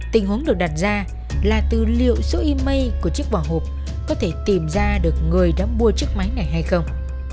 tình huống được đặt ra là tư liệu số email của chiếc vỏ hộp có thể tìm ra được người đã mua chiếc máy này hay không